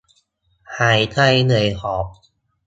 หายใจเหนื่อยหอบ